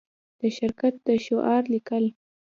د شرکت د شعار لیکل